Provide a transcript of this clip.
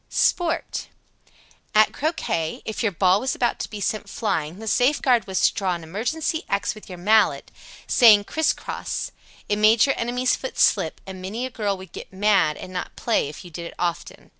SPORT. 91. At croquet, if your ball was about to be sent flying, the safeguard was to draw an imaginary X with your mallet, saying, "Criss cross." It made your enemy's foot slip, and many a girl would get "mad" and not play, if you did it often.